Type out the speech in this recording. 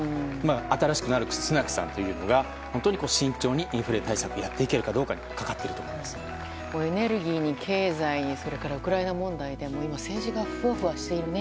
新しくなるスナクさんというのが本当に慎重にインフレ対策をやっていけるかどうかにエネルギーに経済にそれからウクライナ問題で今、政治がふわふわしている。